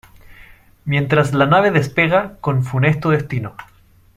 Mientras la nave despega, con funesto destino.